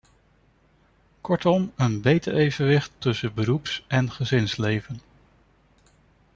Kortom: een beter evenwicht tussen beroeps- en gezinsleven.